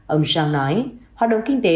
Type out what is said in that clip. ông zhang nói hoạt động kinh tế